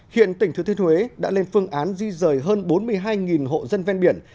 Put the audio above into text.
hiện tỉnh thừa thiên huế đã lên phương án di rời hơn bốn mươi hai hộ dân ven biển